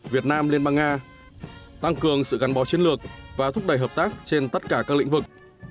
việt nam liên bang nga tăng cường sự gắn bó chiến lược và thúc đẩy hợp tác trên tất cả các lĩnh vực